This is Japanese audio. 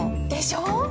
でしょ？